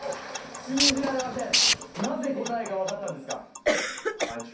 信じられません